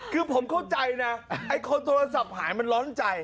คือผมเข้าใจนะไอ้คนโทรศัพท์หายมันร้อนใจ